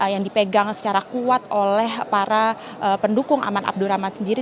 yang dipegang secara kuat oleh para pendukung aman abdurrahman sendiri